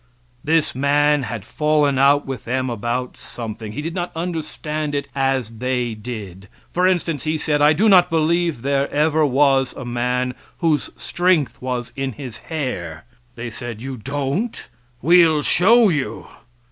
This man had fallen out with them about something; he did not understand it as they did. For instance he said, "I do not believe there ever was a man whose strength was in his hair." They said: "You don't? We'll show you!"